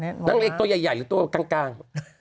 นางเอกตัวใหญ่หรือตัวกลาง